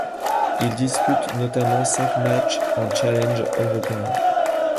Il dispute notamment cinq match en Challenge européen.